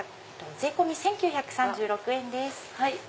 税込み１９３６円です。